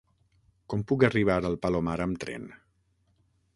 Com puc arribar al Palomar amb tren?